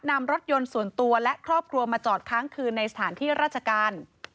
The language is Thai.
นำรถยนต์ส่วนตัวและครอบครัวมาจอดค้างคืนในสถานที่ราชการ